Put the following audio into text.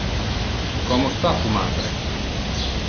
Como sta tu matre?